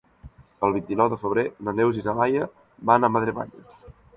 El vint-i-nou de febrer na Neus i na Laia van a Madremanya.